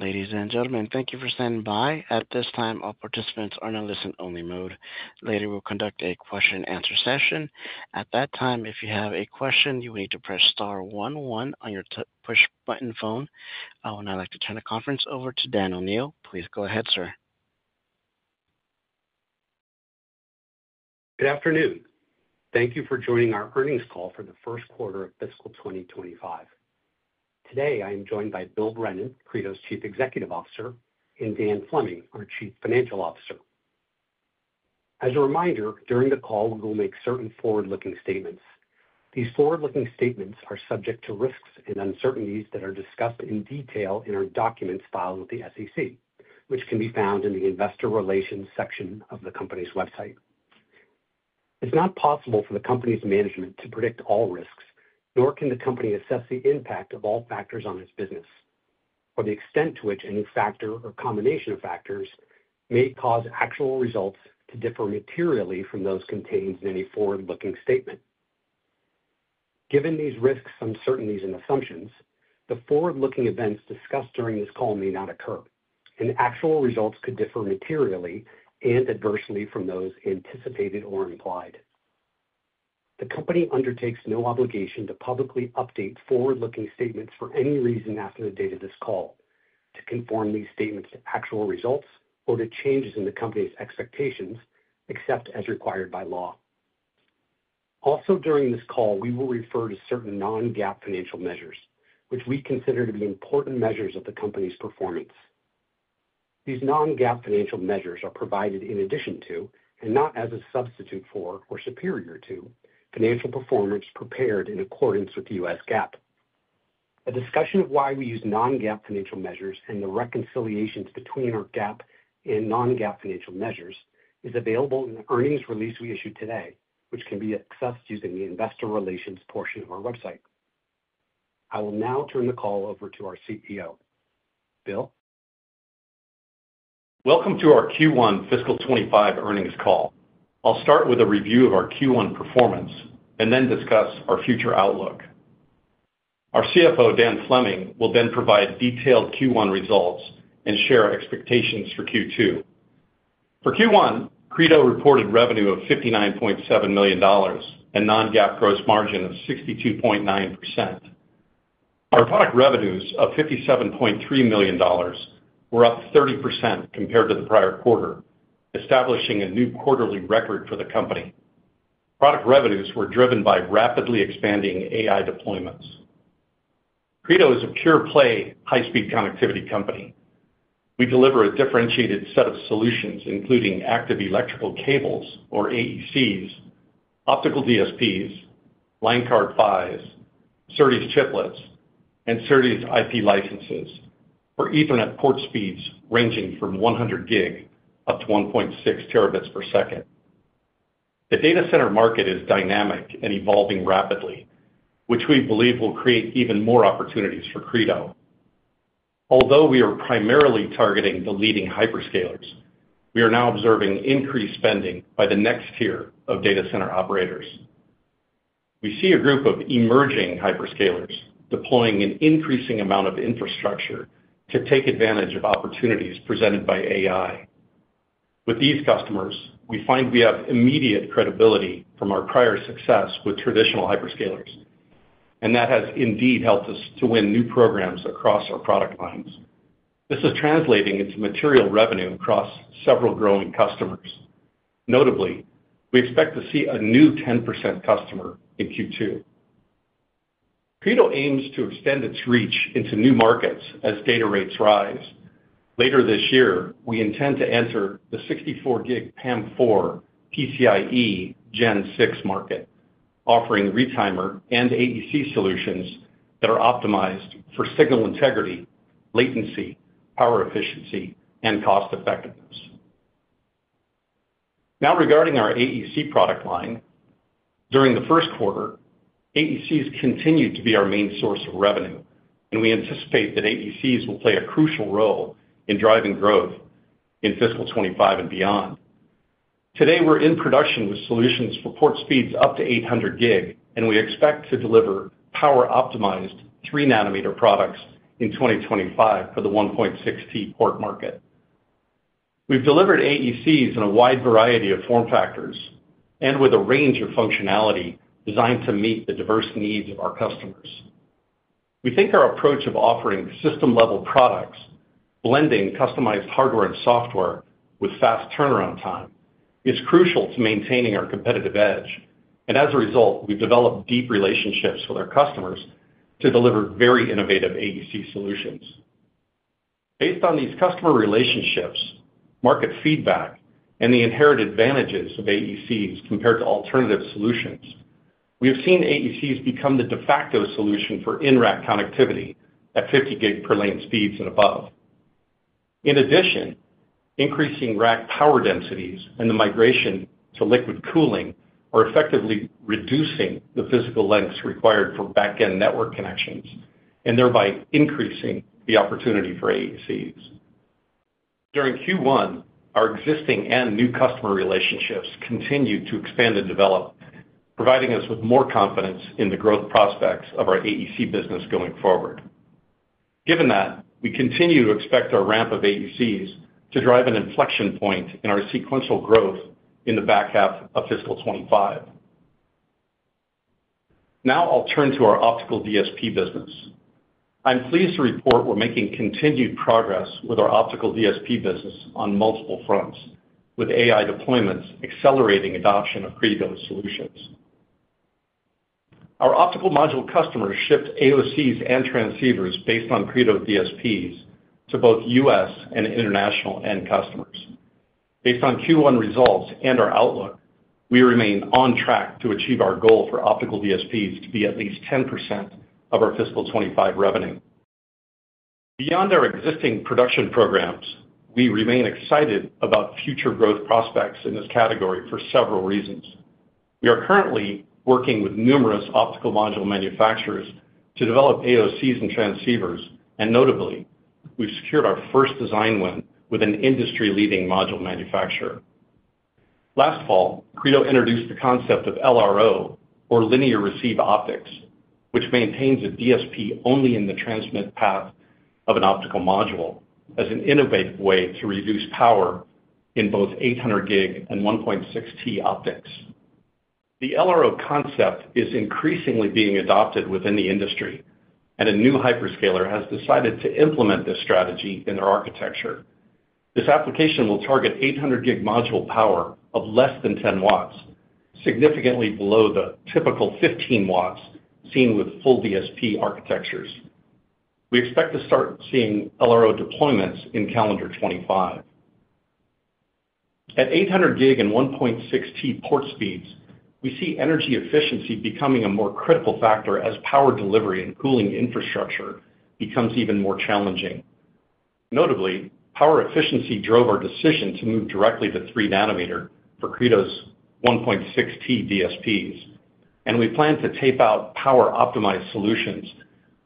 Ladies and gentlemen, thank you for standing by. At this time, all participants are in a listen-only mode. Later, we'll conduct a question-and-answer session. At that time, if you have a question, you will need to press star one one on your touchtone push-button phone. I would now like to turn the conference over to Dan O'Neill. Please go ahead, sir. Good afternoon. Thank you for joining our earnings call for the first quarter of fiscal 2025. Today, I am joined by Bill Brennan, Credo's Chief Executive Officer, and Dan Fleming, our Chief Financial Officer. As a reminder, during the call, we will make certain forward-looking statements. These forward-looking statements are subject to risks and uncertainties that are discussed in detail in our documents filed with the SEC, which can be found in the investor relations section of the company's website. It's not possible for the company's management to predict all risks, nor can the company assess the impact of all factors on its business, or the extent to which any factor or combination of factors may cause actual results to differ materially from those contained in any forward-looking statement. Given these risks, uncertainties, and assumptions, the forward-looking events discussed during this call may not occur, and actual results could differ materially and adversely from those anticipated or implied. The company undertakes no obligation to publicly update forward-looking statements for any reason after the date of this call to conform these statements to actual results or to changes in the company's expectations, except as required by law. Also, during this call, we will refer to certain non-GAAP financial measures, which we consider to be important measures of the company's performance. These non-GAAP financial measures are provided in addition to, and not as a substitute for or superior to, financial performance prepared in accordance with U.S. GAAP. A discussion of why we use non-GAAP financial measures and the reconciliations between our GAAP and non-GAAP financial measures is available in the earnings release we issued today, which can be accessed using the investor relations portion of our website. I will now turn the call over to our CEO. Bill? Welcome to our Q1 fiscal 2025 earnings call. I'll start with a review of our Q1 performance and then discuss our future outlook. Our CFO, Dan Fleming, will then provide detailed Q1 results and share our expectations for Q2. For Q1, Credo reported revenue of $59.7 million and non-GAAP gross margin of 62.9%. Our product revenues of $57.3 million were up 30% compared to the prior quarter, establishing a new quarterly record for the company. Product revenues were driven by rapidly expanding AI deployments. Credo is a pure-play, high-speed connectivity company. We deliver a differentiated set of solutions, including active electrical cables, or AECs, optical DSPs, Line Card PHYs, SerDes chiplets, and SerDes IP licenses for Ethernet port speeds ranging from 100 gig up to 1.6 terabits per second. The data center market is dynamic and evolving rapidly, which we believe will create even more opportunities for Credo. Although we are primarily targeting the leading hyperscalers, we are now observing increased spending by the next tier of data center operators. We see a group of emerging hyperscalers deploying an increasing amount of infrastructure to take advantage of opportunities presented by AI. With these customers, we find we have immediate credibility from our prior success with traditional hyperscalers, and that has indeed helped us to win new programs across our product lines. This is translating into material revenue across several growing customers. Notably, we expect to see a new 10% customer in Q2. Credo aims to extend its reach into new markets as data rates rise. Later this year, we intend to enter the 64 gig PAM4 PCIe Gen 6 market, offering retimer and AEC solutions that are optimized for signal integrity, latency, power efficiency, and cost effectiveness. Now, regarding our AEC product line, during the first quarter, AECs continued to be our main source of revenue, and we anticipate that AECs will play a crucial role in driving growth in fiscal 2025 and beyond. Today, we're in production with solutions for port speeds up to 800 gig, and we expect to deliver power-optimized three-nanometer products in 2025 for the 1.6 T port market. We've delivered AECs in a wide variety of form factors and with a range of functionality designed to meet the diverse needs of our customers. We think our approach of offering system-level products, blending customized hardware and software with fast turnaround time, is crucial to maintaining our competitive edge. And as a result, we've developed deep relationships with our customers to deliver very innovative AEC solutions. Based on these customer relationships, market feedback, and the inherent advantages of AECs compared to alternative solutions, we have seen AECs become the de facto solution for in-rack connectivity at 50 gig per lane speeds and above. In addition, increasing rack power densities and the migration to liquid cooling are effectively reducing the physical lengths required for back-end network connections and thereby increasing the opportunity for AECs. During Q1, our existing and new customer relationships continued to expand and develop, providing us with more confidence in the growth prospects of our AEC business going forward. Given that, we continue to expect our ramp of AECs to drive an inflection point in our sequential growth in the back half of fiscal 2025. Now I'll turn to our optical DSP business. I'm pleased to report we're making continued progress with our optical DSP business on multiple fronts, with AI deployments accelerating adoption of Credo solutions. Our optical module customers ship AOCs and transceivers based on Credo DSPs to both U.S. and international end customers. Based on Q1 results and our outlook, we remain on track to achieve our goal for optical DSPs to be at least 10% of our fiscal 2025 revenue. Beyond our existing production programs, we remain excited about future growth prospects in this category for several reasons. We are currently working with numerous optical module manufacturers to develop AOCs and transceivers, and notably, we've secured our first design win with an industry-leading module manufacturer. Last fall, Credo introduced the concept of LRO, or linear receive optics, which maintains a DSP only in the transmit path of an optical module as an innovative way to reduce power in both 800 gig and 1.6 T optics. The LRO concept is increasingly being adopted within the industry, and a new hyperscaler has decided to implement this strategy in their architecture. This application will target 800 gig module power of less than 10 watts, significantly below the typical 15 watts seen with full DSP architectures. We expect to start seeing LRO deployments in calendar 2025. At 800G and 1.6T port speeds, we see energy efficiency becoming a more critical factor as power delivery and cooling infrastructure becomes even more challenging. Notably, power efficiency drove our decision to move directly to 3 nm for Credo's 1.6T DSPs, and we plan to tape out power-optimized solutions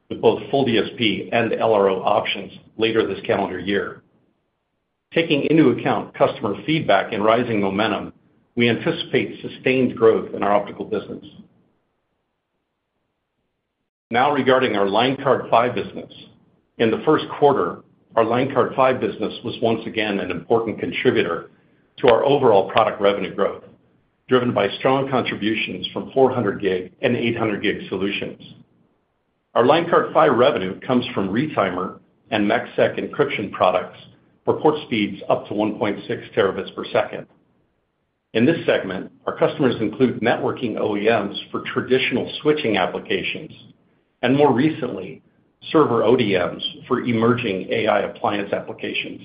with both full DSP and LRO options later this calendar year. Taking into account customer feedback and rising momentum, we anticipate sustained growth in our optical business. Now, regarding our Line Card PHY business. In the first quarter, our Line Card PHY business was once again an important contributor to our overall product revenue growth, driven by strong contributions from 400G and 800G solutions. Our Line Card PHY revenue comes from retimer and MACsec encryption products for port speeds up to 1.6T per second. In this segment, our customers include networking OEMs for traditional switching applications, and more recently, server ODMs for emerging AI appliance applications.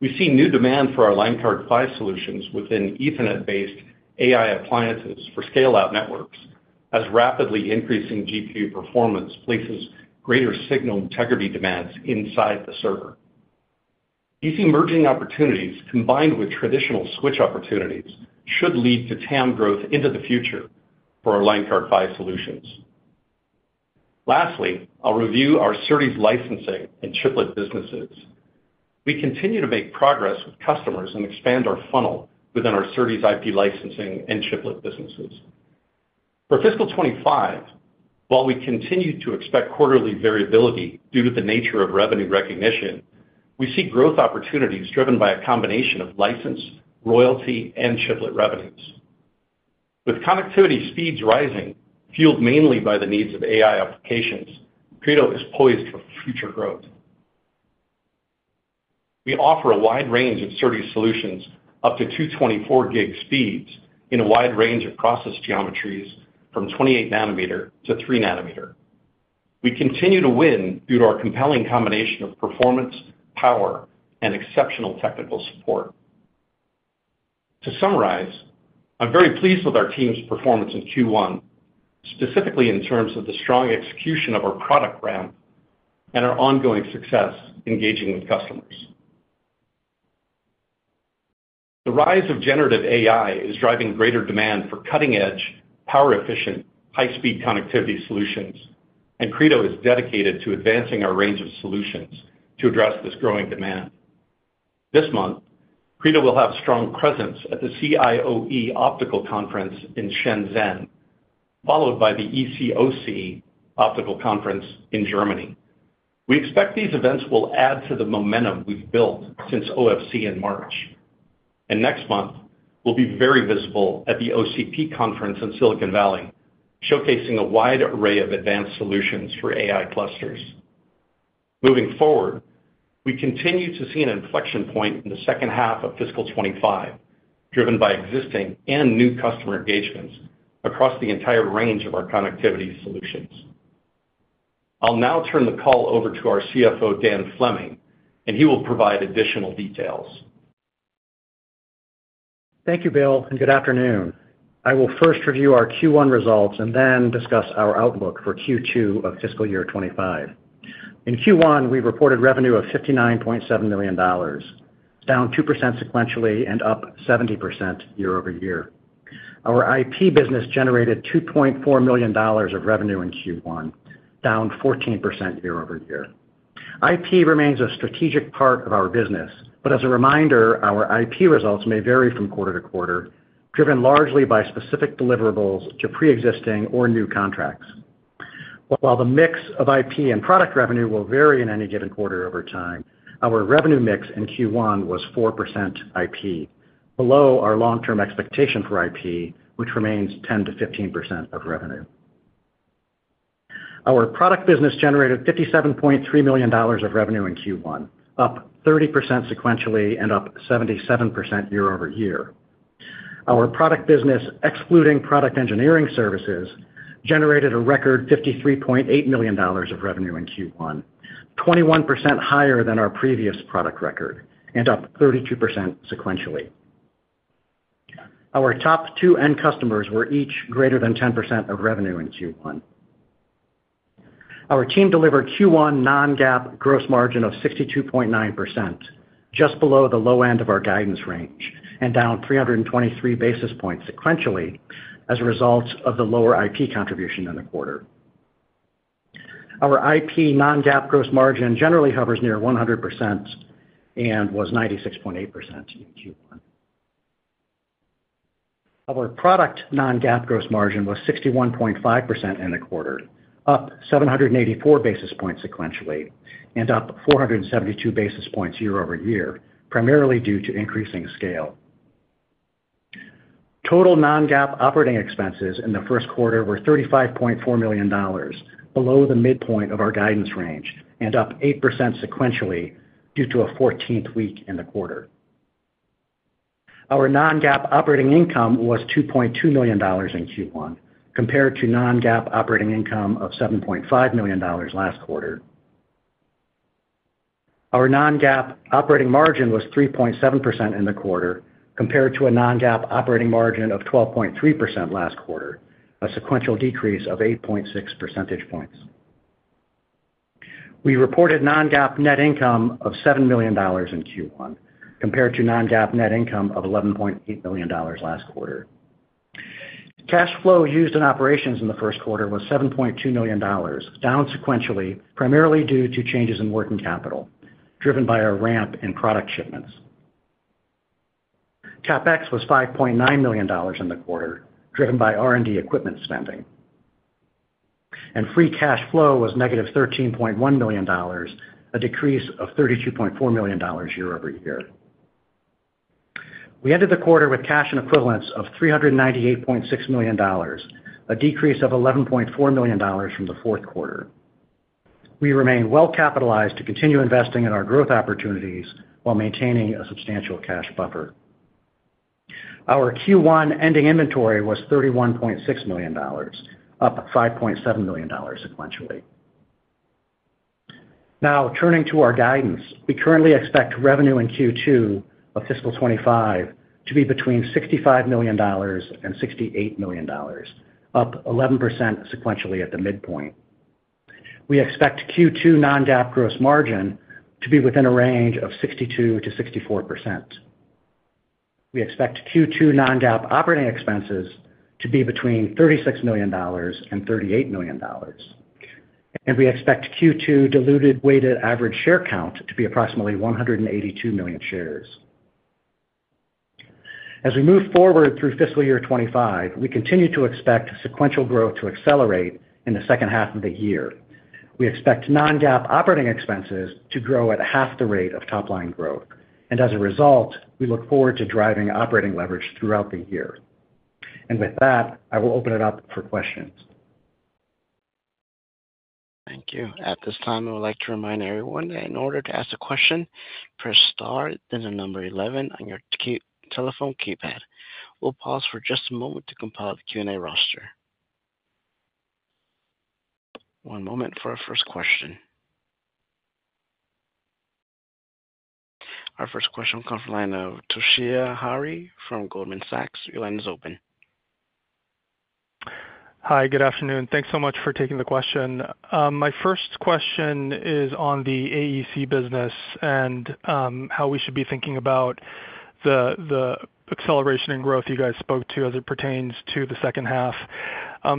We see new demand for our Line Card PHY solutions within Ethernet-based AI appliances for scale-out networks, as rapidly increasing GPU performance places greater signal integrity demands inside the server. These emerging opportunities, combined with traditional switch opportunities, should lead to TAM growth into the future for our LineCard PHY solutions. Lastly, I'll review our SerDes licensing and chiplet businesses. We continue to make progress with customers and expand our funnel within our SerDes IP licensing and chiplet businesses. For fiscal 2025, while we continue to expect quarterly variability due to the nature of revenue recognition, we see growth opportunities driven by a combination of license, royalty, and chiplet revenues. With connectivity speeds rising, fueled mainly by the needs of AI applications, Credo is poised for future growth. We offer a wide range of SerDes solutions up to 224 gig speeds in a wide range of process geometries, from 28-nanometer to 3-nanometer. We continue to win due to our compelling combination of performance, power, and exceptional technical support. To summarize, I'm very pleased with our team's performance in Q1, specifically in terms of the strong execution of our product ramp and our ongoing success engaging with customers. The rise of generative AI is driving greater demand for cutting-edge, power-efficient, high-speed connectivity solutions, and Credo is dedicated to advancing our range of solutions to address this growing demand. This month, Credo will have strong presence at the CIOE Optical Conference in Shenzhen, followed by the ECOC Optical Conference in Germany. We expect these events will add to the momentum we've built since OFC in March, and next month, we'll be very visible at the OCP conference in Silicon Valley, showcasing a wide array of advanced solutions for AI clusters. Moving forward, we continue to see an inflection point in the second half of fiscal 2025, driven by existing and new customer engagements across the entire range of our connectivity solutions. I'll now turn the call over to our CFO, Dan Fleming, and he will provide additional details. Thank you, Bill, and good afternoon. I will first review our Q1 results and then discuss our outlook for Q2 of fiscal 2025. In Q1, we reported revenue of $59.7 million, down 2% sequentially and up 70% year-over-year. Our IP business generated $2.4 million of revenue in Q1, down 14% year-over-year. IP remains a strategic part of our business, but as a reminder, our IP results may vary from quarter-to-quarter, driven largely by specific deliverables to pre-existing or new contracts. While the mix of IP and product revenue will vary in any given quarter over time, our revenue mix in Q1 was 4% IP, below our long-term expectation for IP, which remains 10%-15% of revenue. Our product business generated $57.3 million of revenue in Q1, up 30% sequentially and up 77% year-over-year. Our product business, excluding product engineering services, generated a record $53.8 million of revenue in Q1, 21% higher than our previous product record and up 32% sequentially. Our top two end customers were each greater than 10% of revenue in Q1. Our team delivered Q1 non-GAAP gross margin of 62.9%, just below the low end of our guidance range and down three hundred and twenty-three basis points sequentially as a result of the lower IP contribution in the quarter. Our IP non-GAAP gross margin generally hovers near 100% and was 96.8% in Q1. Our product non-GAAP gross margin was 61.5% in the quarter, up 784 basis points sequentially and up 472 basis points year-over-year, primarily due to increasing scale. Total non-GAAP operating expenses in the first quarter were $35.4 million, below the midpoint of our guidance range and up 8% sequentially due to a fourteenth week in the quarter. Our non-GAAP operating income was $2.2 million in Q1, compared to non-GAAP operating income of $7.5 million last quarter. Our non-GAAP operating margin was 3.7% in the quarter, compared to a non-GAAP operating margin of 12.3% last quarter, a sequential decrease of 8.6 percentage points. We reported non-GAAP net income of $7 million in Q1, compared to non-GAAP net income of $11.8 million last quarter. Cash flow used in operations in the first quarter was $7.2 million, down sequentially, primarily due to changes in working capital, driven by our ramp in product shipments. CapEx was $5.9 million in the quarter, driven by R&D equipment spending. Free cash flow was -$13.1 million, a decrease of $32.4 million year-over-year. We ended the quarter with cash and equivalents of $398.6 million, a decrease of $11.4 million from the fourth quarter. We remain well capitalized to continue investing in our growth opportunities while maintaining a substantial cash buffer. Our Q1 ending inventory was $31.6 million, up $5.7 million sequentially. Now, turning to our guidance. We currently expect revenue in Q2 of fiscal 2025 to be between $65 million and $68 million, up 11% sequentially at the midpoint. We expect Q2 non-GAAP gross margin to be within a range of 62% to 64%. We expect Q2 non-GAAP operating expenses to be between $36 million and $38 million. And we expect Q2 diluted weighted average share count to be approximately 182 million shares. As we move forward through fiscal year 2025, we continue to expect sequential growth to accelerate in the second half of the year. We expect non-GAAP operating expenses to grow at half the rate of top line growth, and as a result, we look forward to driving operating leverage throughout the year. With that, I will open it up for questions. Thank you. At this time, I would like to remind everyone that in order to ask a question, press star, then the number eleven on your telephone keypad. We'll pause for just a moment to compile the Q&A roster. One moment for our first question. Our first question will come from the line of Toshiya Hari from Goldman Sachs. Your line is open. Hi, good afternoon. Thanks so much for taking the question. My first question is on the AEC business and how we should be thinking about the acceleration in growth you guys spoke to as it pertains to the second half.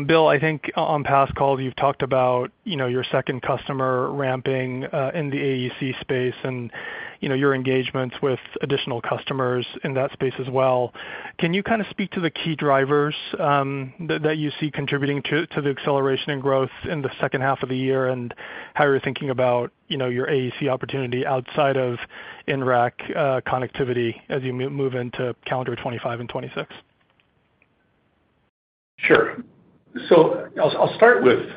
Bill, I think on past calls, you've talked about, you know, your second customer ramping in the AEC space and, you know, your engagements with additional customers in that space as well. Can you kind of speak to the key drivers that you see contributing to the acceleration in growth in the second half of the year, and how you're thinking about, you know, your AEC opportunity outside of in-rack connectivity as you move into calendar 2025 and 2026? Sure. So I'll start with,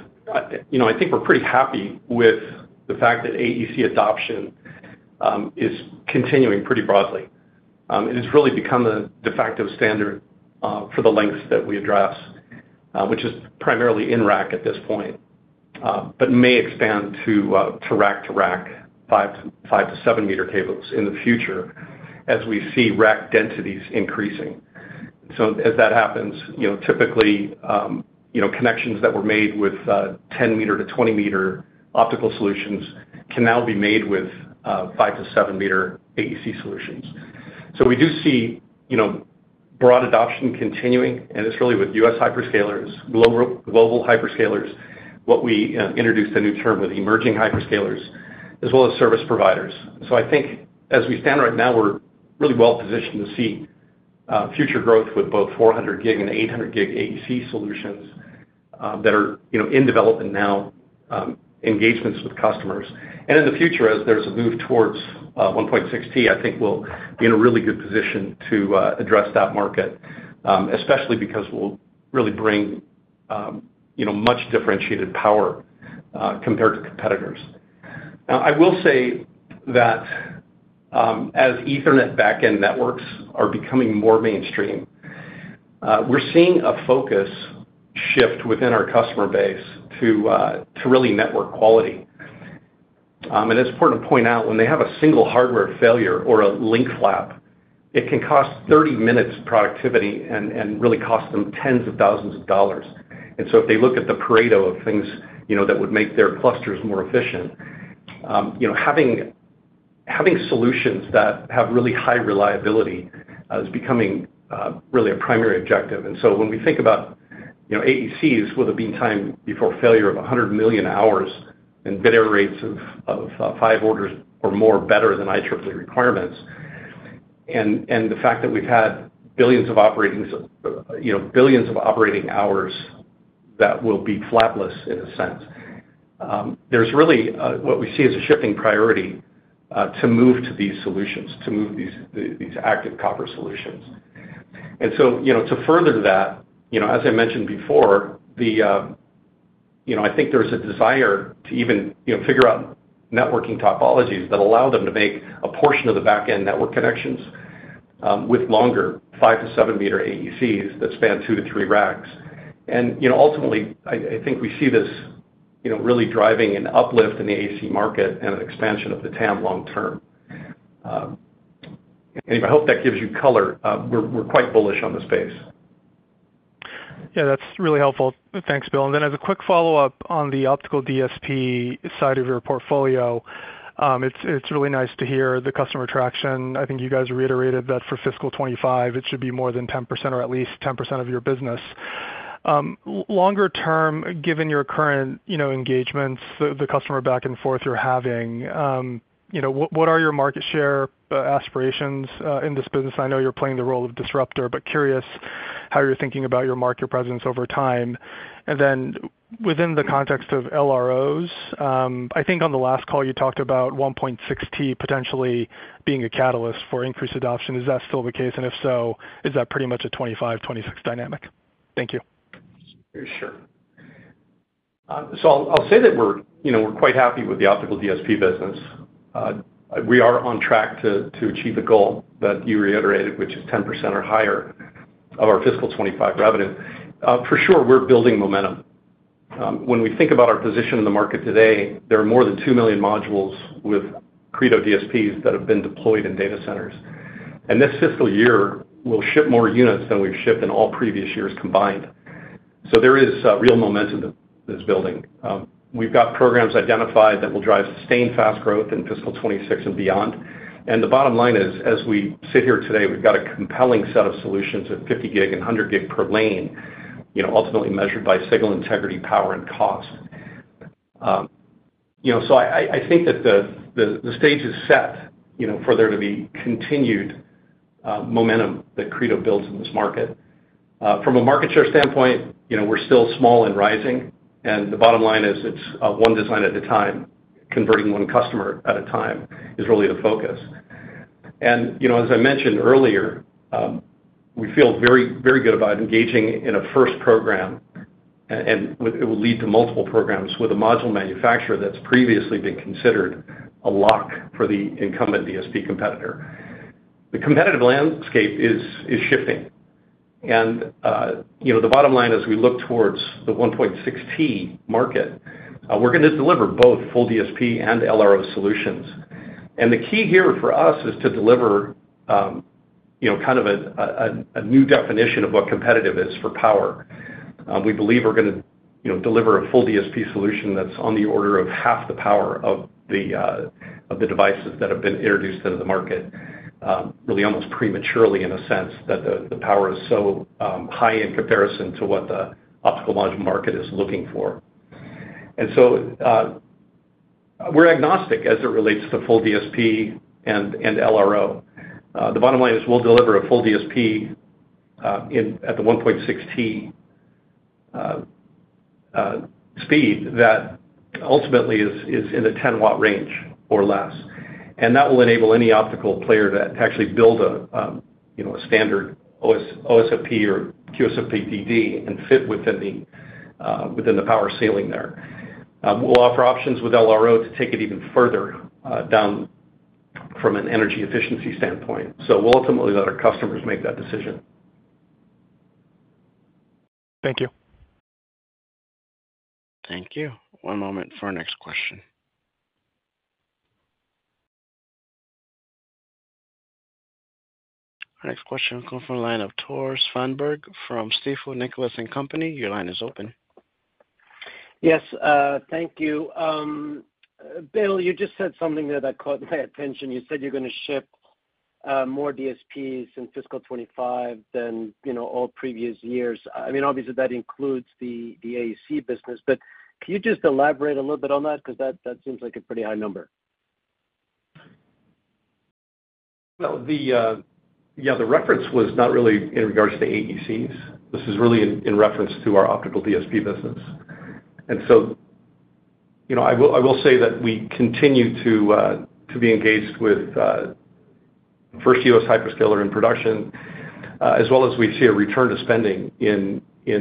you know, I think we're pretty happy with the fact that AEC adoption is continuing pretty broadly. It has really become the de facto standard for the lengths that we address, which is primarily in-rack at this point, but may expand to rack-to-rack, five- to seven-meter cables in the future as we see rack densities increasing. So as that happens, you know, typically, you know, connections that were made with 10-meter to 20-meter optical solutions can now be made with five- to seven-meter AEC solutions. So we do see, you know-... broad adoption continuing, and it's really with U.S. hyperscalers, global, global hyperscalers, what we introduced a new term with emerging hyperscalers, as well as service providers. So I think as we stand right now, we're really well positioned to see future growth with both four hundred gig and eight hundred gig AEC solutions that are, you know, in development now, engagements with customers. And in the future, as there's a move towards 1.6T, I think we'll be in a really good position to address that market, especially because we'll really bring, you know, much differentiated power compared to competitors. Now, I will say that as Ethernet backend networks are becoming more mainstream, we're seeing a focus shift within our customer base to really network quality. And it's important to point out, when they have a single hardware failure or a link flap, it can cost thirty minutes productivity and really cost them tens of thousands of dollars. And so if they look at the Pareto of things, you know, that would make their clusters more efficient, you know, having solutions that have really high reliability is becoming really a primary objective. And so when we think about, you know, AECs with a mean time before failure of a hundred million hours and bit error rates of five orders or more better than IEEE requirements, and the fact that we've had, you know, billions of operating hours that will be flapless in a sense, there's really what we see as a shifting priority to move to these solutions, to move these active copper solutions. And so, you know, to further that, you know, as I mentioned before, you know, I think there's a desire to even, you know, figure out networking topologies that allow them to make a portion of the back-end network connections with longer five- to seven-meter AECs that span two to three racks. You know, ultimately, I think we see this, you know, really driving an uplift in the AEC market and an expansion of the TAM long term. Anyway, I hope that gives you color. We're quite bullish on the space. Yeah, that's really helpful. Thanks, Bill. And then as a quick follow-up on the optical DSP side of your portfolio, it's really nice to hear the customer traction. I think you guys reiterated that for fiscal twenty-five, it should be more than 10% or at least 10% of your business. Longer term, given your current you know engagements, the customer back and forth you're having, you know what are your market share aspirations in this business? I know you're playing the role of disruptor, but curious how you're thinking about your market presence over time. And then within the context of LROs, I think on the last call, you talked about 1.6T potentially being a catalyst for increased adoption. Is that still the case? And if so, is that pretty much a 2025, 2026 dynamic? Thank you. Sure. So I'll say that we're, you know, we're quite happy with the Optical DSP business. We are on track to achieve the goal that you reiterated, which is 10% or higher of our fiscal 2025 revenue. For sure, we're building momentum. When we think about our position in the market today, there are more than 2 million modules with Credo DSPs that have been deployed in data centers. And this fiscal year, we'll ship more units than we've shipped in all previous years combined. So there is real momentum that is building. We've got programs identified that will drive sustained fast growth in fiscal 2026 and beyond. And the bottom line is, as we sit here today, we've got a compelling set of solutions at 50 gig and 100 gig per lane, you know, ultimately measured by signal integrity, power, and cost. You know, so I think that the stage is set, you know, for there to be continued momentum that Credo builds in this market. From a market share standpoint, you know, we're still small and rising, and the bottom line is it's one design at a time. Converting one customer at a time is really the focus. And, you know, as I mentioned earlier, we feel very, very good about engaging in a first program, and it will lead to multiple programs with a module manufacturer that's previously been considered a lock for the incumbent DSP competitor. The competitive landscape is shifting. And, you know, the bottom line, as we look towards the 1.6T market, we're gonna deliver both full DSP and LRO solutions. And the key here for us is to deliver, you know, kind of a new definition of what competitive is for power. We believe we're gonna, you know, deliver a full DSP solution that's on the order of half the power of the devices that have been introduced into the market, really, almost prematurely in a sense that the power is so high in comparison to what the optical module market is looking for. And so, we're agnostic as it relates to full DSP and LRO. The bottom line is we'll deliver a full DSP at the 1.6T speed that ultimately is in the 10-watt range or less, and that will enable any optical player to actually build a, you know, a standard OSFP or QSFP-DD and fit within the power ceiling there. We'll offer options with LRO to take it even further down from an energy efficiency standpoint, so we'll ultimately let our customers make that decision. Thank you. Thank you. One moment for our next question. Our next question come from the line of Tore Svanberg, from Stifel Nicolaus & Company. Your line is open.... Yes, thank you. Bill, you just said something that caught my attention. You said you're gonna ship more DSPs in fiscal 2025 than, you know, all previous years. I mean, obviously, that includes the AEC business, but can you just elaborate a little bit on that? Because that seems like a pretty high number. The reference was not really in regards to AECs. This is really in reference to our optical DSP business. And so, you know, I will say that we continue to be engaged with first US hyperscaler in production, as well as we see a return to spending in, you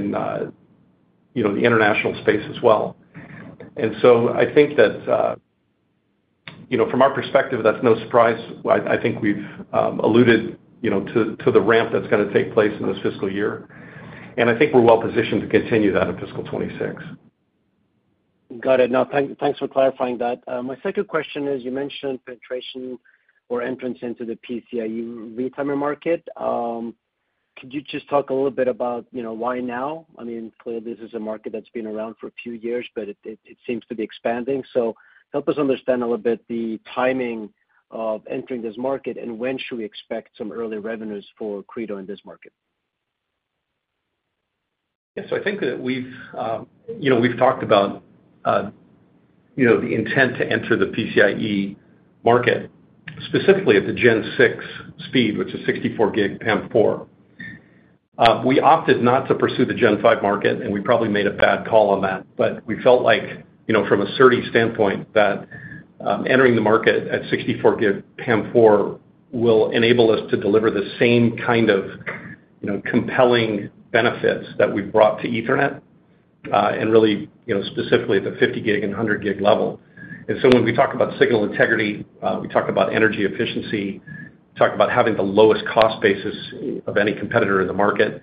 know, the international space as well. And so I think that, you know, from our perspective, that's no surprise. I think we've alluded, you know, to the ramp that's gonna take place in this fiscal year, and I think we're well positioned to continue that in fiscal 2026. Got it. Now, thanks for clarifying that. My second question is, you mentioned penetration or entrance into the PCIe retimer market. Could you just talk a little bit about, you know, why now? I mean, clearly this is a market that's been around for a few years, but it seems to be expanding. So help us understand a little bit the timing of entering this market, and when should we expect some early revenues for Credo in this market? Yeah, so I think that we've, you know, we've talked about, you know, the intent to enter the PCIe market, specifically at the Gen 6 speed, which is sixty-four gig PAM4. We opted not to pursue the Gen 5 market, and we probably made a bad call on that. But we felt like, you know, from a SerDes standpoint, that, entering the market at sixty-four gig PAM4 will enable us to deliver the same kind of, you know, compelling benefits that we've brought to Ethernet, and really, you know, specifically at the fifty gig and hundred gig level. And so when we talk about signal integrity, we talk about energy efficiency, talk about having the lowest cost basis of any competitor in the market.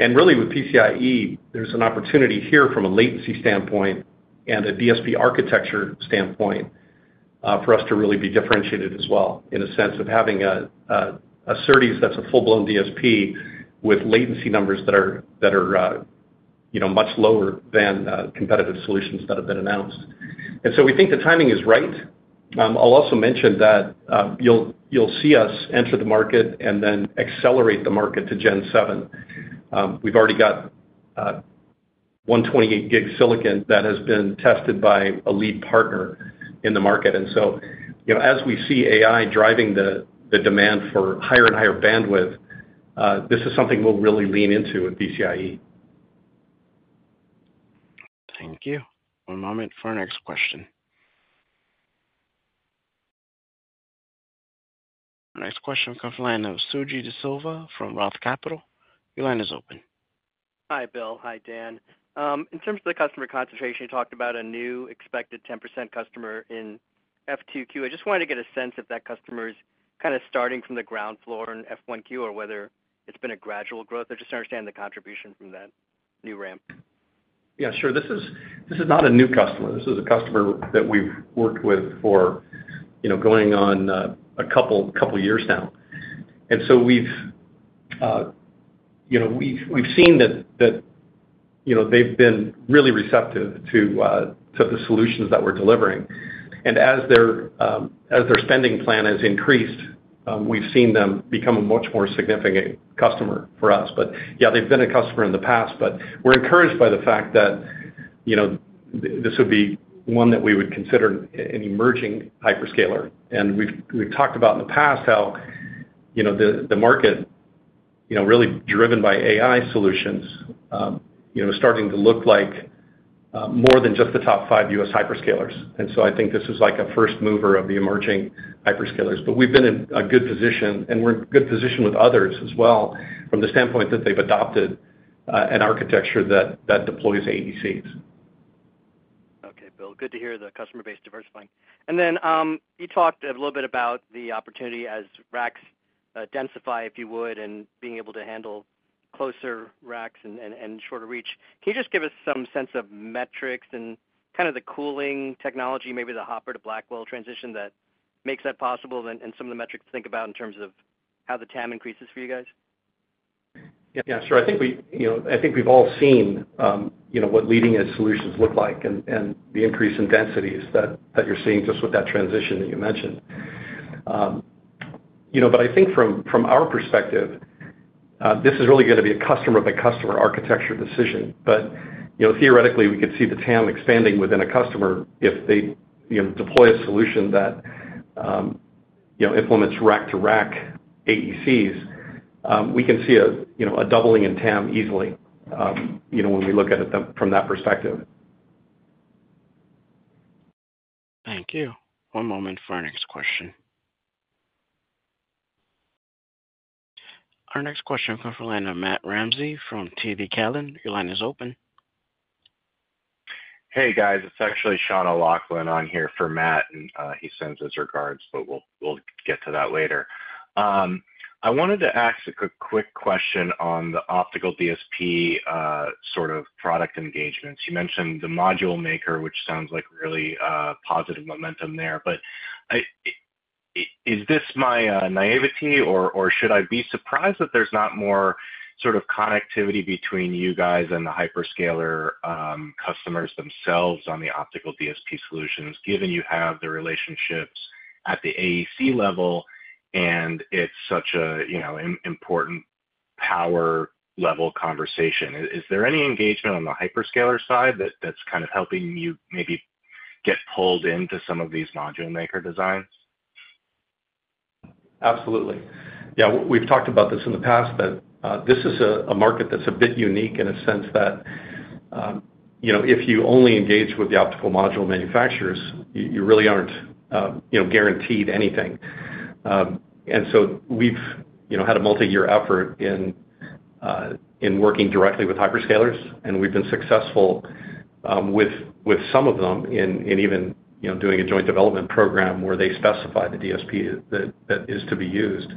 And really, with PCIe, there's an opportunity here from a latency standpoint and a DSP architecture standpoint, for us to really be differentiated as well, in a sense of having a SerDes that's a full-blown DSP with latency numbers that are, you know, much lower than competitive solutions that have been announced. And so we think the timing is right. I'll also mention that, you'll see us enter the market and then accelerate the market to Gen 7. We've already got 128 gig silicon that has been tested by a lead partner in the market. And so, you know, as we see AI driving the demand for higher and higher bandwidth, this is something we'll really lean into with PCIe. Thank you. One moment for our next question. Our next question comes from the line of Suji Desilva from Roth Capital. Your line is open. Hi, Bill. Hi, Dan. In terms of the customer concentration, you talked about a new expected 10% customer in FQ2. I just wanted to get a sense if that customer is kind of starting from the ground floor in F1Q, or whether it's been a gradual growth. I just don't understand the contribution from that new ramp. Yeah, sure. This is not a new customer. This is a customer that we've worked with for, you know, going on a couple years now. And so we've, you know, we've seen that, you know, they've been really receptive to the solutions that we're delivering. And as their spending plan has increased, we've seen them become a much more significant customer for us. But yeah, they've been a customer in the past, but we're encouraged by the fact that, you know, this would be one that we would consider an emerging hyperscaler. And we've talked about in the past how, you know, the market, you know, really driven by AI solutions, you know, starting to look like more than just the top five U.S. hyperscalers. And so I think this is like a first mover of the emerging hyperscalers. But we've been in a good position, and we're in a good position with others as well, from the standpoint that they've adopted an architecture that deploys AECs. Okay, Bill, good to hear the customer base diversifying. And then, you talked a little bit about the opportunity as racks densify, if you would, and being able to handle closer racks and shorter reach. Can you just give us some sense of metrics and kind of the cooling technology, maybe the Hopper to Blackwell transition that makes that possible, and some of the metrics to think about in terms of how the TAM increases for you guys? Yeah, sure. You know, I think we've all seen, you know, what leading-edge solutions look like and the increase in densities that you're seeing just with that transition that you mentioned. You know, but I think from our perspective, this is really gonna be a customer-by-customer architecture decision. But, you know, theoretically, we could see the TAM expanding within a customer if they, you know, deploy a solution that, you know, implements rack-to-rack AECs. We can see a, you know, a doubling in TAM easily, you know, when we look at it from that perspective. Thank you. One moment for our next question. Our next question comes from the line of Matt Ramsey from TD Cowen. Your line is open. Hey, guys, it's actually Sean O'Loughlin on here for Matt, and he sends his regards, but we'll get to that later. I wanted to ask a quick question on the optical DSP sort of product engagements. You mentioned the module maker, which sounds like really positive momentum there, but I do- Is this my naivety or should I be surprised that there's not more sort of connectivity between you guys and the hyperscaler customers themselves on the optical DSP solutions, given you have the relationships at the AEC level, and it's such a, you know, important power-level conversation? Is there any engagement on the hyperscaler side that's kind of helping you maybe get pulled into some of these module maker designs? Absolutely. Yeah, we've talked about this in the past, but this is a market that's a bit unique in a sense that, you know, if you only engage with the optical module manufacturers, you really aren't, you know, guaranteed anything, and so we've, you know, had a multi-year effort in working directly with hyperscalers, and we've been successful with some of them in even, you know, doing a joint development program where they specify the DSP that is to be used,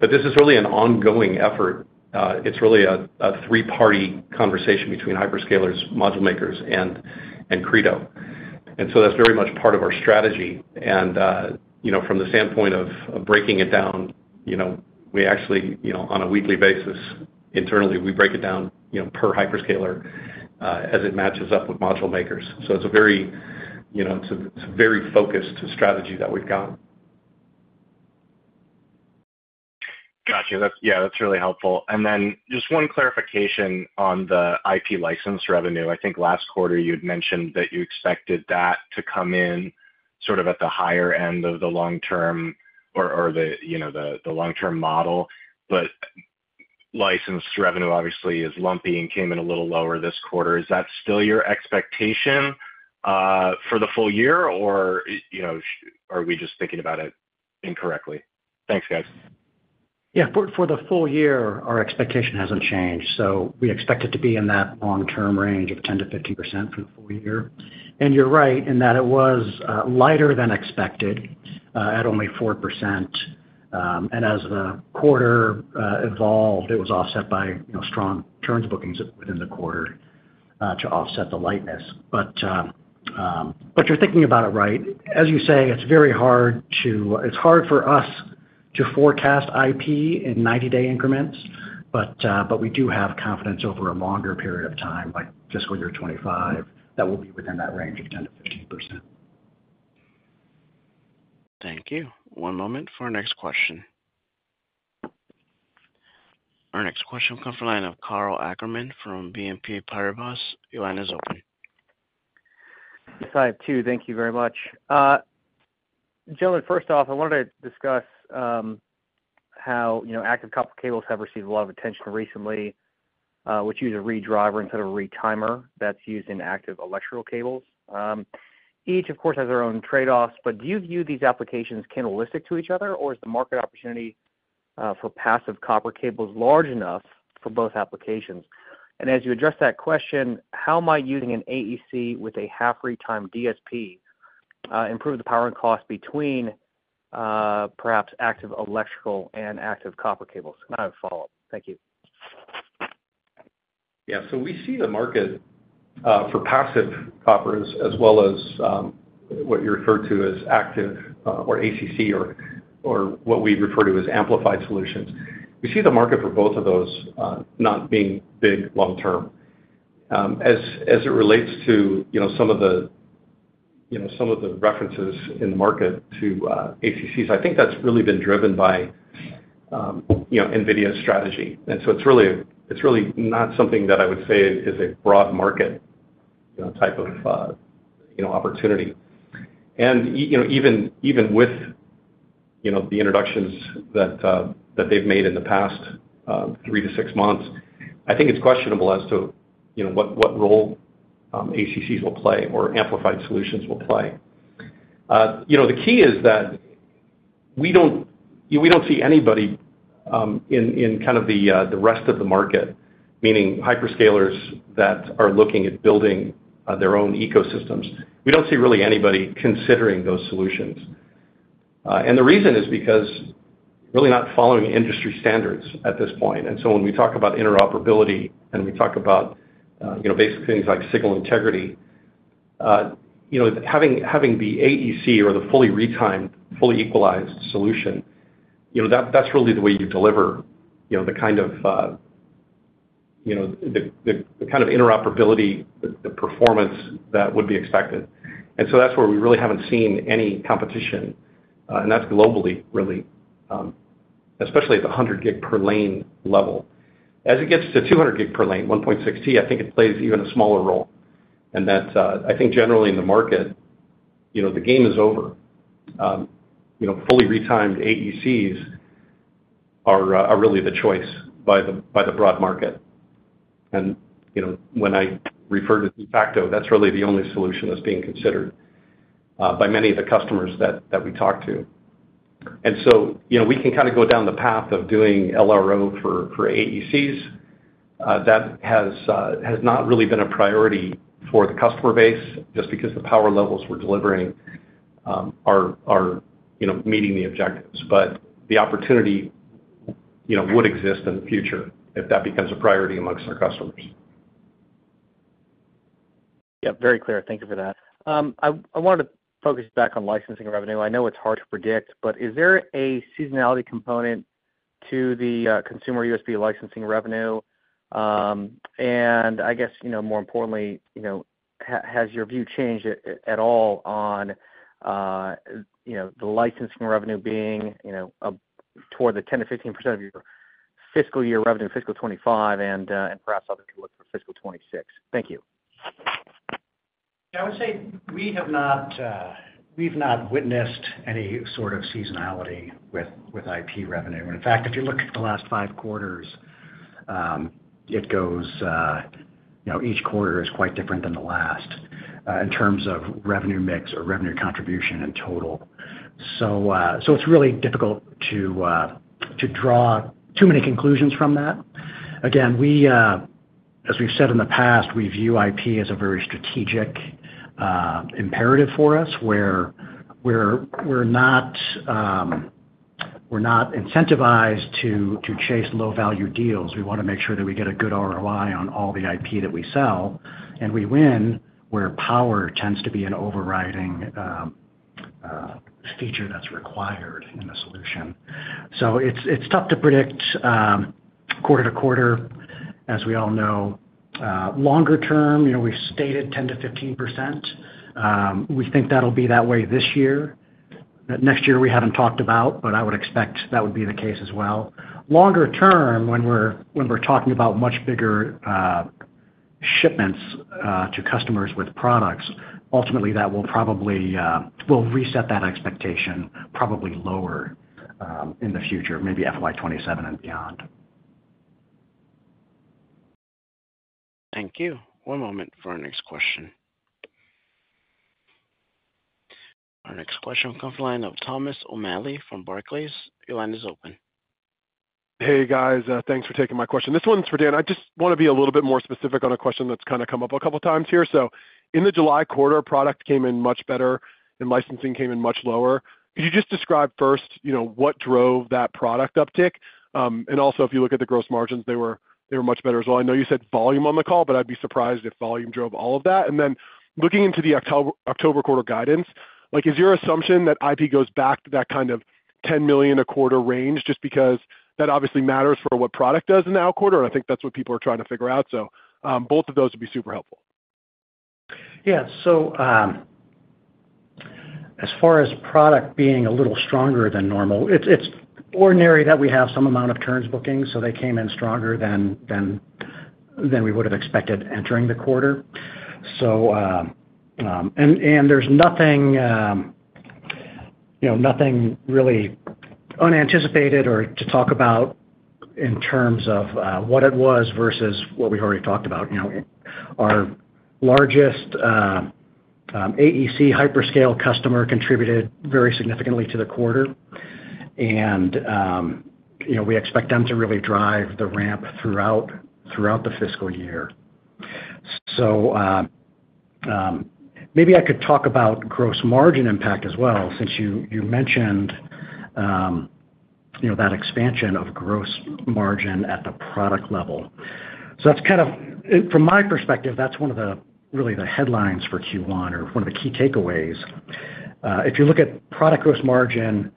but this is really an ongoing effort. It's really a three-party conversation between hyperscalers, module makers, and Credo, and so that's very much part of our strategy. You know, from the standpoint of breaking it down, you know, we actually, you know, on a weekly basis, internally, we break it down, you know, per hyperscaler as it matches up with module makers. So it's a very, you know, focused strategy that we've got. Got you. Yeah, that's really helpful. And then just one clarification on the IP license revenue. I think last quarter you had mentioned that you expected that to come in sort of at the higher end of the long term or the, you know, the long-term model. But license revenue, obviously, is lumpy and came in a little lower this quarter. Is that still your expectation for the full year, or, you know, are we just thinking about it incorrectly? Thanks, guys. Yeah, for the full year, our expectation hasn't changed, so we expect it to be in that long-term range of 10%-15% for the full year. And you're right, in that it was lighter than expected at only 4%. And as the quarter evolved, it was offset by, you know, strong SerDes bookings within the quarter to offset the lightness. But you're thinking about it right. As you say, it's very hard to - it's hard for us to forecast IP in 90-day increments, but we do have confidence over a longer period of time, like fiscal year 2025, that we'll be within that range of 10%-15%. Thank you. One moment for our next question. Our next question will come from the line of Karl Ackerman from BNP Paribas. Your line is open. Hi, two. Thank you very much. Gentlemen, first off, I wanted to discuss how, you know, active copper cables have received a lot of attention recently, which use a redriver instead of a retimer that's used in active electrical cables. Each, of course, has their own trade-offs, but do you view these applications cannibalistic to each other, or is the market opportunity for passive copper cables large enough for both applications? And as you address that question, how might using an AEC with a half-retime DSP improve the power and cost between perhaps active electrical and active copper cables? And I have a follow-up. Thank you. Yeah, so we see the market for passive coppers as well as what you referred to as active or ACC or what we refer to as amplified solutions. We see the market for both of those not being big long term. As it relates to, you know, some of the references in the market to ACCs, I think that's really been driven by, you know, NVIDIA's strategy. And so it's really not something that I would say is a broad market, you know, type of opportunity. And you know, even with the introductions that they've made in the past three to six months, I think it's questionable as to what role ACCs will play or amplified solutions will play. You know, the key is that we don't see anybody in kind of the rest of the market, meaning hyperscalers that are looking at building their own ecosystems. We don't see really anybody considering those solutions. And the reason is because really not following industry standards at this point. So when we talk about interoperability and we talk about you know, basic things like signal integrity, you know, having the AEC or the fully retimed, fully equalized solution, you know, that's really the way you deliver you know, the kind of you know, the kind of interoperability, the performance that would be expected. So that's where we really haven't seen any competition, and that's globally, really, especially at the hundred gig per lane level. As it gets to 200 gig per lane, 1.6T, I think it plays even a smaller role, and that's, I think generally in the market, you know, the game is over. You know, fully retimed AECs are, are really the choice by the, by the broad market, and, you know, when I refer to de facto, that's really the only solution that's being considered, by many of the customers that, that we talk to, and so, you know, we can kind of go down the path of doing LRO for, for AECs. That has, has not really been a priority for the customer base, just because the power levels we're delivering, are, you know, meeting the objectives, but the opportunity, you know, would exist in the future if that becomes a priority amongst our customers.... Yep, very clear. Thank you for that. I wanted to focus back on licensing revenue. I know it's hard to predict, but is there a seasonality component to the consumer USB licensing revenue? And I guess, you know, more importantly, you know, has your view changed at all on, you know, the licensing revenue being, you know, toward the 10%-15% of your fiscal year revenue in fiscal 2025, and perhaps others can look for fiscal 2026? Thank you. Yeah, I would say we have not witnessed any sort of seasonality with IP revenue. When in fact, if you look at the last five quarters, it goes, you know, each quarter is quite different than the last in terms of revenue mix or revenue contribution in total. So, it's really difficult to draw too many conclusions from that. Again, as we've said in the past, we view IP as a very strategic imperative for us, where we're not incentivized to chase low-value deals. We wanna make sure that we get a good ROI on all the IP that we sell, and we win, where power tends to be an overriding feature that's required in the solution. It's tough to predict quarter-to-quarter, as we all know. Longer term, you know, we've stated 10-15%. We think that'll be that way this year. Next year, we haven't talked about, but I would expect that would be the case as well. Longer term, when we're talking about much bigger shipments to customers with products, ultimately, that will probably we'll reset that expectation, probably lower in the future, maybe FY 2027 and beyond. Thank you. One moment for our next question. Our next question comes from the line of Thomas O'Malley from Barclays. Your line is open. Hey, guys, thanks for taking my question. This one's for Dan. I just wanna be a little bit more specific on a question that's kind of come up a couple of times here. So in the July quarter, product came in much better and licensing came in much lower. Could you just describe first, you know, what drove that product uptick? And also, if you look at the gross margins, they were, they were much better as well. I know you said volume on the call, but I'd be surprised if volume drove all of that. And then looking into the October quarter guidance, like, is your assumption that IP goes back to that kind of $10 million a quarter range, just because that obviously matters for what product does in the out quarter, and I think that's what people are trying to figure out. Both of those would be super helpful. Yeah. So, as far as product being a little stronger than normal, it's ordinary that we have some amount of turns bookings, so they came in stronger than we would have expected entering the quarter. So, and there's nothing, you know, nothing really unanticipated or to talk about in terms of what it was versus what we already talked about. You know, our largest AEC hyperscale customer contributed very significantly to the quarter, and, you know, we expect them to really drive the ramp throughout the fiscal year. So, maybe I could talk about gross margin impact as well, since you mentioned, you know, that expansion of gross margin at the product level. So that's kind of from my perspective, that's one of the, really, the headlines for Q1 or one of the key takeaways. If you look at product gross margin,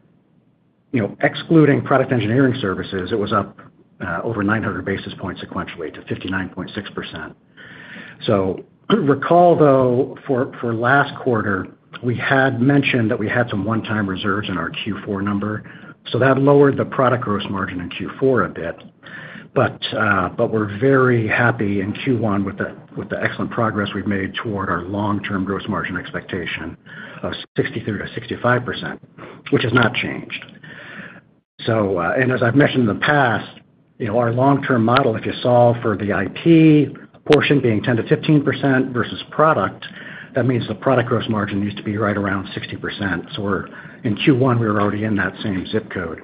you know, excluding product engineering services, it was up over nine hundred basis points sequentially to 59.6%. So recall, though, for last quarter, we had mentioned that we had some one-time reserves in our Q4 number, so that lowered the product gross margin in Q4 a bit. But we're very happy in Q1 with the excellent progress we've made toward our long-term gross margin expectation of 63%-65%, which has not changed. And as I've mentioned in the past, you know, our long-term model, if you solve for the IP portion being 10%-15% versus product, that means the product gross margin needs to be right around 60%. We're in Q1. We were already in that same zip code.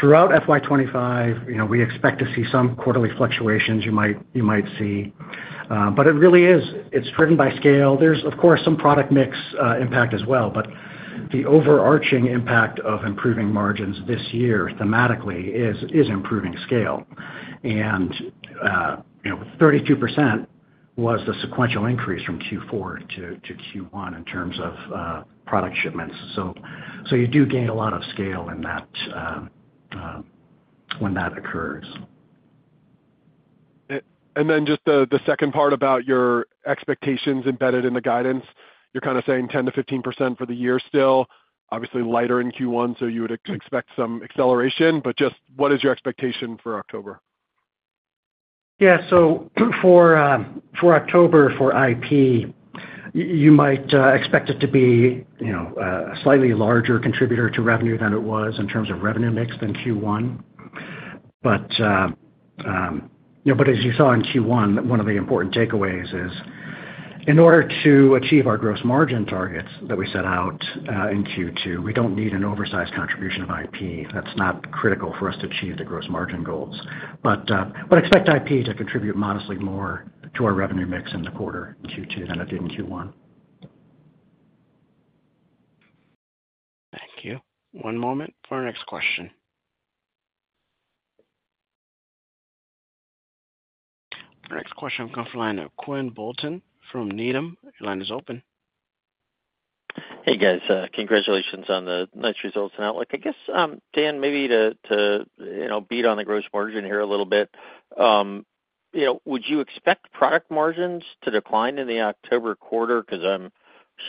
Throughout FY 2025, you know, we expect to see some quarterly fluctuations you might see, but it really is. It's driven by scale. There's, of course, some product mix impact as well, but the overarching impact of improving margins this year, thematically, is improving scale. You know, 32% was the sequential increase from Q4 to Q1 in terms of product shipments. You do gain a lot of scale in that when that occurs. And then just the second part about your expectations embedded in the guidance, you're kind of saying 10%-15% for the year still, obviously lighter in Q1, so you would expect some acceleration, but just what is your expectation for October? Yeah. So for October, for IP, you might expect it to be, you know, a slightly larger contributor to revenue than it was in terms of revenue mix than Q1. But, you know, but as you saw in Q1, one of the important takeaways is, in order to achieve our gross margin targets that we set out, in Q2, we don't need an oversized contribution of IP. That's not critical for us to achieve the gross margin goals. But, but expect IP to contribute modestly more to our revenue mix in the quarter in Q2 than it did in Q1.... Thank you. One moment for our next question. Our next question will come from the line of Quinn Bolton from Needham. Your line is open. Hey, guys. Congratulations on the nice results and outlook. I guess, Dan, maybe to you know beat on the gross margin here a little bit. You know, would you expect product margins to decline in the October quarter? Because I'm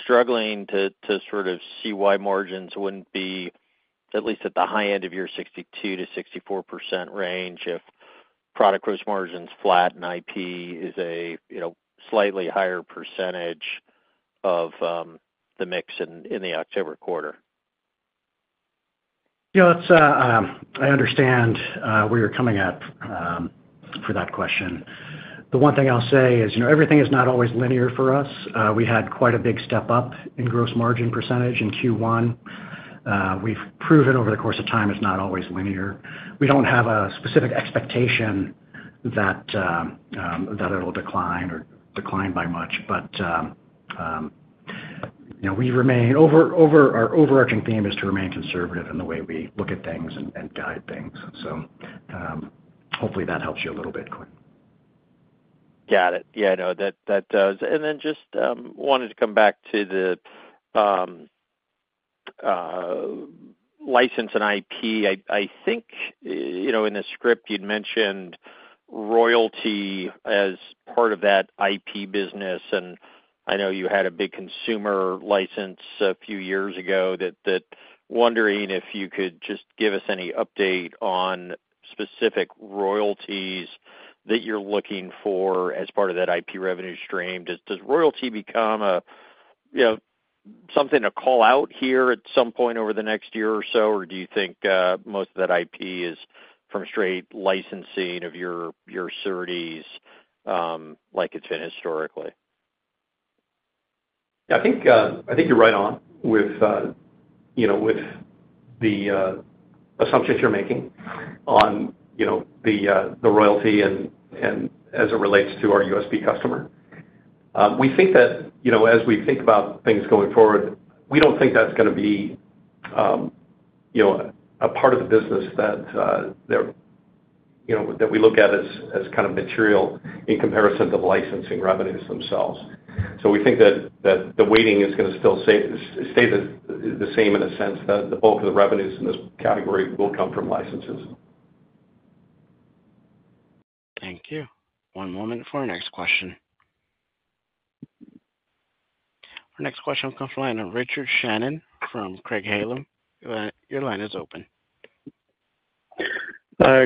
struggling to sort of see why margins wouldn't be at least at the high end of your 62-64% range if product gross margins flat and IP is a you know slightly higher percentage of the mix in the October quarter. You know, it's, I understand where you're coming from for that question. The one thing I'll say is, you know, everything is not always linear for us. We had quite a big step up in gross margin percentage in Q1. We've proven over the course of time, it's not always linear. We don't have a specific expectation that that'll decline or decline by much. But, you know, we remain, our overarching theme is to remain conservative in the way we look at things and guide things. So, hopefully, that helps you a little bit, Quinn. Got it. Yeah, no, that does. And then just wanted to come back to the license and IP. I think, you know, in the script, you'd mentioned royalty as part of that IP business, and I know you had a big consumer license a few years ago. Wondering if you could just give us any update on specific royalties that you're looking for as part of that IP revenue stream. Does royalty become a, you know, something to call out here at some point over the next year or so? Or do you think most of that IP is from straight licensing of your SerDes, like it's been historically? Yeah, I think, I think you're right on with, you know, with the assumptions you're making on, you know, the royalty and, and as it relates to our USB customer. We think that, you know, as we think about things going forward, we don't think that's gonna be, you know, a part of the business that, there, you know, that we look at as, as kind of material in comparison to the licensing revenues themselves. So we think that, that the weighting is gonna still stay, stay the, the same in a sense, that the bulk of the revenues in this category will come from licenses. Thank you. One moment for our next question. Our next question comes from the line of Richard Shannon from Craig-Hallum. Your line is open.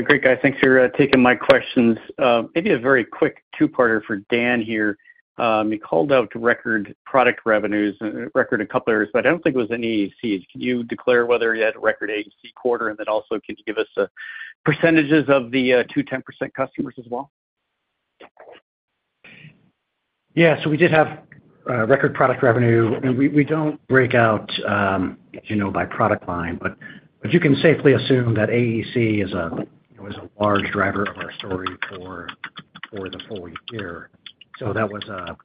Great, guys. Thanks for taking my questions. Maybe a very quick two-parter for Dan here. You called out record product revenues, record a couple areas, but I don't think it was any AEC. Can you declare whether you had a record AEC quarter? And then also, can you give us percentages of the two 10% customers as well? Yeah. So we did have record product revenue. I mean, we don't break out, you know, by product line, but you can safely assume that AEC is a, you know, is a large driver of our story for the full year. So that was, you know,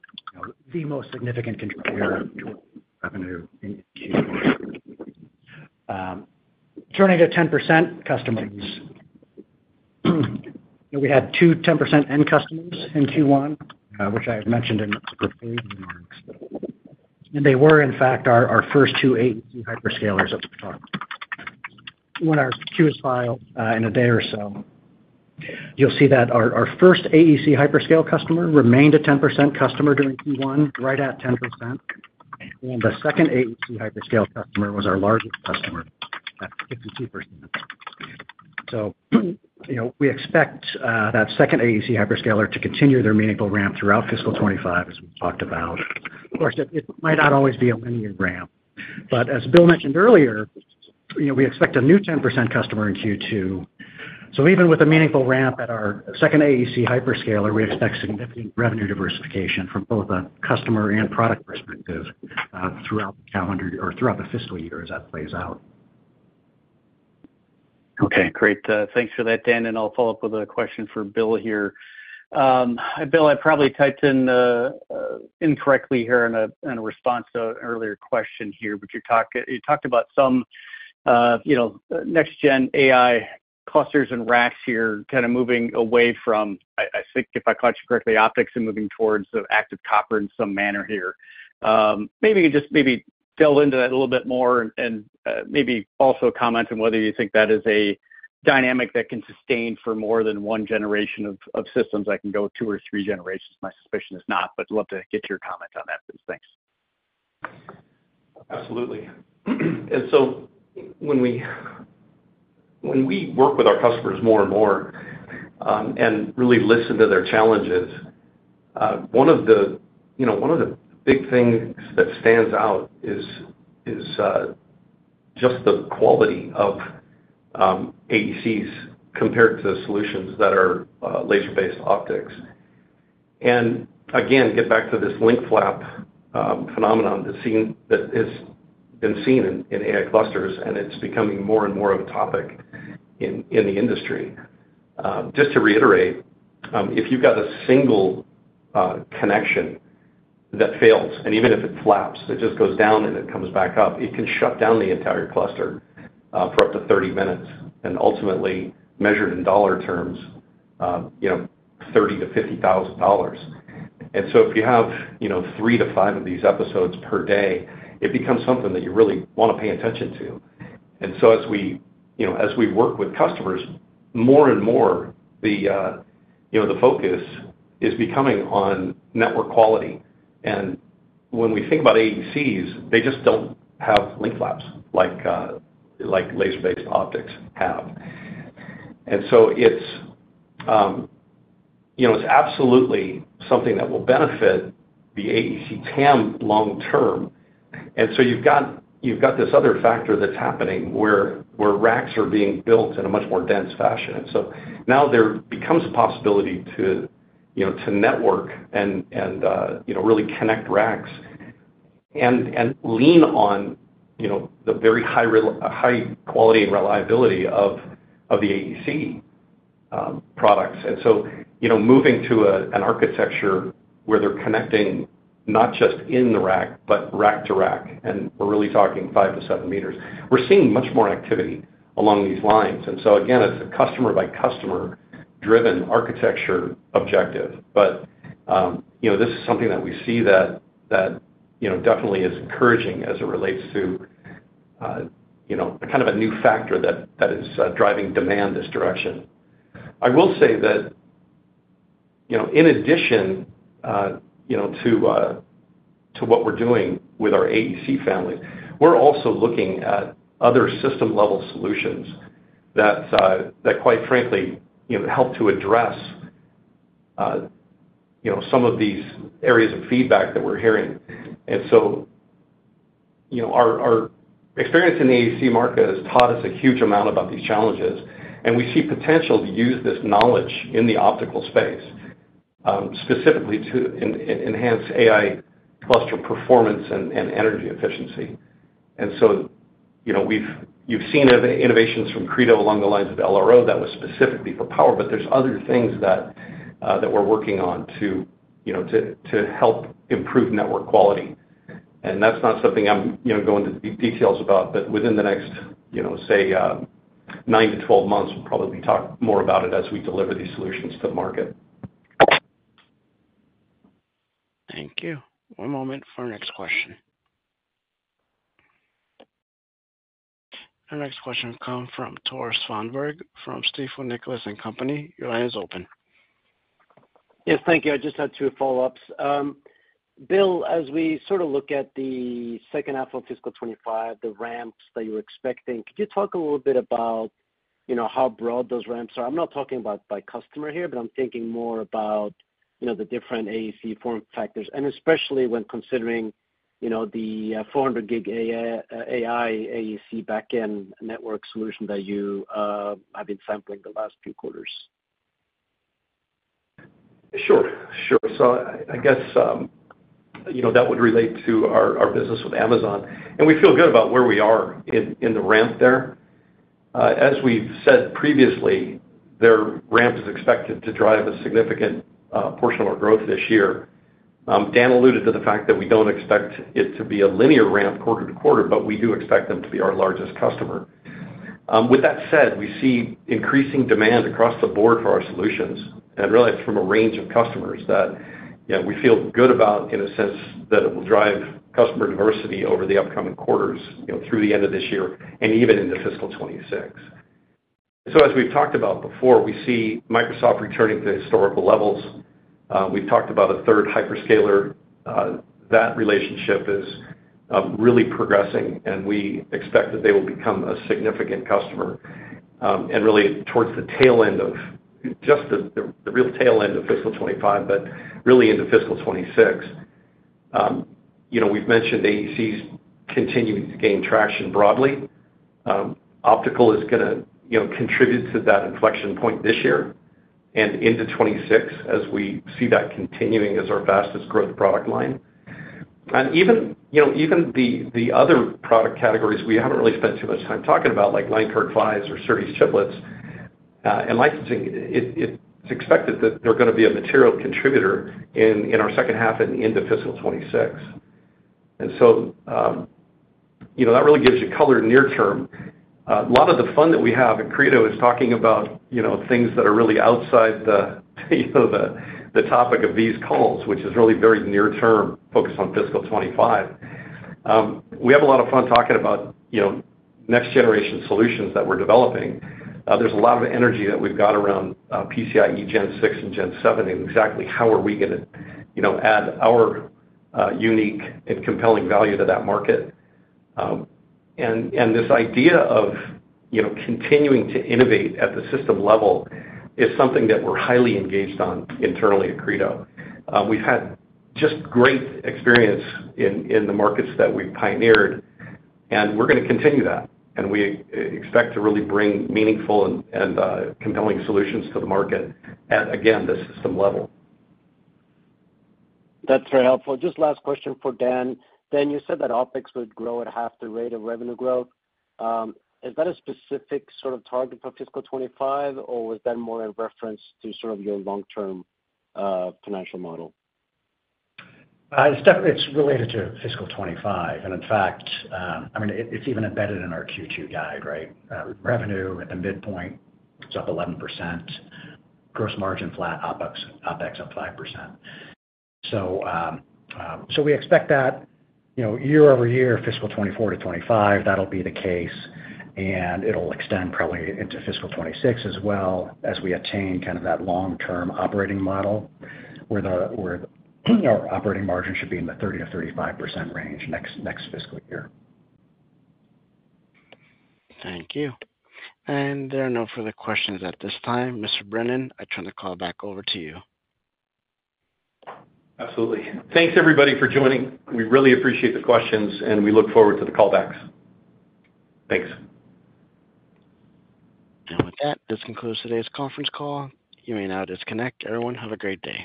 the most significant contributor to revenue in Q4. Turning to 10% customers, we had two 10% end customers in Q1, which I mentioned in the prepared remarks, and they were, in fact, our first two AEC hyperscalers of the quarter. When our 10-Q is filed, in a day or so, you'll see that our first AEC hyperscaler customer remained a 10% customer during Q1, right at 10%, and the second AEC hyperscaler customer was our largest customer at 52%. So, you know, we expect that second AEC hyperscaler to continue their meaningful ramp throughout fiscal twenty-five, as we talked about. Of course, it might not always be a linear ramp, but as Bill mentioned earlier, you know, we expect a new 10% customer in Q2. So even with a meaningful ramp at our second AEC hyperscaler, we expect significant revenue diversification from both a customer and product perspective, throughout the calendar or throughout the fiscal year, as that plays out. Okay, great. Thanks for that, Dan, and I'll follow up with a question for Bill here. Bill, I probably typed in incorrectly here in a response to an earlier question here, but you talked about some, you know, next-gen AI clusters and racks here, kind of moving away from, I think, if I caught you correctly, optics and moving towards the active copper in some manner here. Maybe you just drill into that a little bit more and maybe also comment on whether you think that is a dynamic that can sustain for more than one generation of systems that can go two or three generations. My suspicion is not, but I'd love to get your comment on that, please. Thanks. Absolutely. And so when we work with our customers more and more, and really listen to their challenges, one of the, you know, one of the big things that stands out is just the quality of AECs compared to the solutions that are laser-based optics. And again, get back to this link flap phenomenon that's been seen in AI clusters, and it's becoming more and more of a topic in the industry. Just to reiterate, if you've got a single connection-... that fails, and even if it flaps, it just goes down and it comes back up, it can shut down the entire cluster, for up to 30 minutes, and ultimately measured in dollar terms, you know, $30,000-$50,000. And so if you have, you know, three to five of these episodes per day, it becomes something that you really want to pay attention to. And so as we, you know, as we work with customers, more and more, the, you know, the focus is becoming on network quality. And when we think about AECs, they just don't have link flaps like, like laser-based optics have. And so it's, you know, it's absolutely something that will benefit the AEC TAM long term. And so you've got this other factor that's happening where racks are being built in a much more dense fashion. And so now there becomes a possibility to you know, to network and you know, really connect racks and lean on you know, the very high high quality and reliability of the AEC products. And so you know, moving to an architecture where they're connecting not just in the rack, but rack to rack, and we're really talking five to seven meters. We're seeing much more activity along these lines. And so again, it's a customer-by-customer driven architecture objective, but you know, this is something that we see that you know, definitely is encouraging as it relates to you know, kind of a new factor that is driving demand this direction. I will say that, you know, in addition, you know, to what we're doing with our AEC family, we're also looking at other system-level solutions that quite frankly, you know, help to address, you know, some of these areas of feedback that we're hearing. So, you know, our experience in the AEC market has taught us a huge amount about these challenges, and we see potential to use this knowledge in the optical space, specifically to enhance AI cluster performance and energy efficiency. So, you know, you've seen innovations from Credo along the lines of LRO. That was specifically for power, but there's other things that we're working on to, you know, to help improve network quality. And that's not something I'm, you know, going to go into details about, but within the next, you know, say, nine to 12 months, we'll probably talk more about it as we deliver these solutions to the market. Thank you. One moment for our next question. Our next question come from Tore Svanberg, from Stifel Nicolaus & Company. Your line is open. Yes, thank you. I just had two follow-ups. Bill, as we sort of look at the second half of fiscal twenty-five, the ramps that you're expecting, could you talk a little bit about, you know, how broad those ramps are? I'm not talking about by customer here, but I'm thinking more about, you know, the different AEC form factors, and especially when considering, you know, the, four hundred gig AI, AI AEC back-end network solution that you, have been sampling the last few quarters. Sure. Sure. So I guess, you know, that would relate to our business with Amazon, and we feel good about where we are in the ramp there. As we've said previously, their ramp is expected to drive a significant portion of our growth this year. Dan alluded to the fact that we don't expect it to be a linear ramp quarter-to-quarter, but we do expect them to be our largest customer. With that said, we see increasing demand across the board for our solutions and really from a range of customers that, you know, we feel good about in a sense that it will drive customer diversity over the upcoming quarters, you know, through the end of this year and even into fiscal 2026. So as we've talked about before, we see Microsoft returning to historical levels. We've talked about a third hyperscaler, that relationship is really progressing, and we expect that they will become a significant customer, and really towards the real tail end of fiscal 2025, but really into fiscal 2026. You know, we've mentioned AECs continuing to gain traction broadly. Optical is gonna, you know, contribute to that inflection point this year and into 2026, as we see that continuing as our fastest growth product line. And even, you know, the other product categories, we haven't really spent too much time talking about, like Line Card PHY or SerDes chiplets, and licensing. It's expected that they're gonna be a material contributor in our second half and into fiscal 2026. And so, you know, that really gives you color near term. A lot of the fun that we have at Credo is talking about, you know, things that are really outside the, you know, the topic of these calls, which is really very near-term, focused on fiscal twenty-five. We have a lot of fun talking about, you know, next-generation solutions that we're developing. There's a lot of energy that we've got around, PCIe Gen 6 and Gen 7, and exactly how are we gonna, you know, add our unique and compelling value to that market. And this idea of, you know, continuing to innovate at the system level is something that we're highly engaged on internally at Credo. We've had just great experience in the markets that we've pioneered, and we're gonna continue that, and we expect to really bring meaningful and compelling solutions to the market at, again, the system level. That's very helpful. Just last question for Dan. Dan, you said that OpEx would grow at half the rate of revenue growth. Is that a specific sort of target for fiscal 2025, or was that more in reference to sort of your long-term financial model? It's related to fiscal twenty-five, and in fact, I mean, it's even embedded in our Q2 guide, right? Revenue at the midpoint, it's up 11%, gross margin flat, OpEx up 5%. So, we expect that, you know, year over year, fiscal 2024 to 2025, that'll be the case, and it'll extend probably into fiscal 2026 as well, as we attain kind of that long-term operating model, where our operating margin should be in the 30%-35% range next fiscal year. Thank you. And there are no further questions at this time. Mr. Brennan, I turn the call back over to you. Absolutely. Thanks, everybody, for joining. We really appreciate the questions, and we look forward to the call backs. Thanks. With that, this concludes today's conference call. You may now disconnect. Everyone, have a great day.